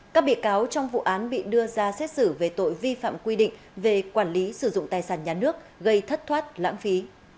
các bị cáo trong vụ án bị đưa ra xét xử về tội vi phạm quy định về quản lý sử dụng tài sản nhà nước gây thất thoát lãng phí